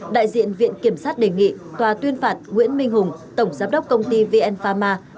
đại diện viện kiểm sát đề nghị tòa tuyên phạt nguyễn minh hùng tổng giám đốc công ty vn pharma